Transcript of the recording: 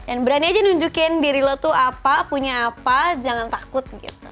dan berani aja nunjukin diri lo tuh apa punya apa jangan takut gitu